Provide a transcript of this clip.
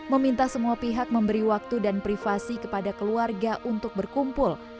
meminta semua pihak memberi waktu dan privasi kepada keluarga untuk berkumpul